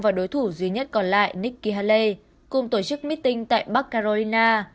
và đối thủ duy nhất còn lại nikki haley cùng tổ chức meeting tại bắc carolina